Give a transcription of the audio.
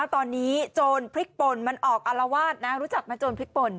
ตอนนี้โจรพริกปนมันออกอารวาสนะรู้จักไหมโจรพริกปน